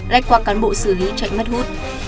lách qua cán bộ xử lý chạy mất hút